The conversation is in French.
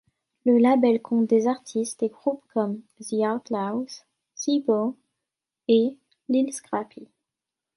Le label compte des artistes et groupes comme The Outlawz, C-Bo, et Lil Scrappy.